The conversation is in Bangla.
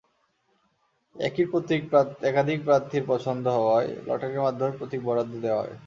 একই প্রতীক একাধিক প্রার্থীর পছন্দ হওয়ায় লটারির মাধ্যমে প্রতীক বরাদ্দ দেওয়া হয়।